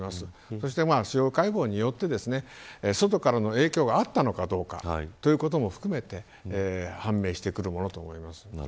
そして司法解剖によって外からの影響があったのかどうかということも含めて判明してくるものと思います。